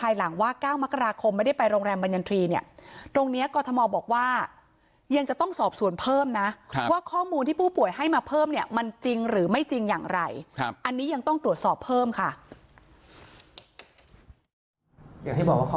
หลังว่า๙มกราคมไม่ได้ไปโรงแรมบรรยันทรีย์เนี่ยตรงเนี้ยกรทมบอกว่ายังจะต้องสอบส่วนเพิ่มนะว่าข้อมูลที่ผู้ป่วยให้มาเพิ่มเนี่ยมันจริงหรือไม่จริงอย่างไรอันนี้ยังต้องตรวจสอบเพิ่มค่ะ